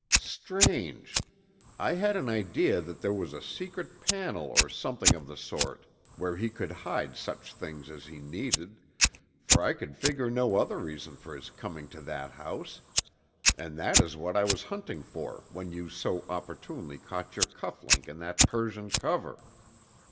"Strange. I had an idea that there was a secret panel or something of the sort where he could hide such things as he needed, for I could figure no other reason for his coming to that house, and that is what I was hunting for when you so opportunely caught your cuff link in that Persian cover.